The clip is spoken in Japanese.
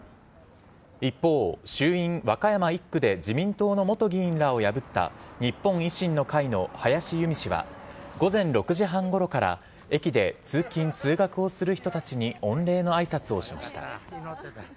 一方、衆院和歌山１区で自民党の元議員らを破った、日本維新の会の林佑美氏は、午前６時半ごろから駅で通勤・通学をする人たちに御礼のあいさつをしました。